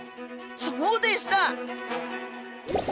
そうでした！